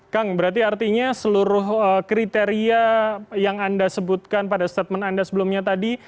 kang berarti artinya seluruh kriteria yang anda sebutkan pada statement anda sebelumnya tadi